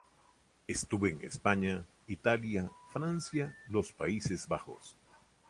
Estuve en España, Italia, Francia, los Países Bajos.